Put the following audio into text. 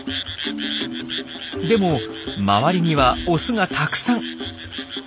でも周りにはオスがたくさん。